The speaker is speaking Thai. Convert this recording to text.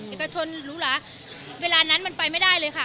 เอกชนรู้เหรอเวลานั้นมันไปไม่ได้เลยค่ะ